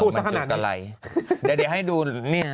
แม่พูดสักขนาดนี้